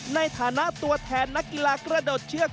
ในฐานะตัวแทนนักกีฬากระโดดเชือก